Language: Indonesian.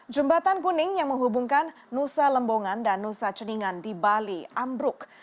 jembatan kuning yang menghubungkan nusa lembongan dan nusa ceningan di bali ambruk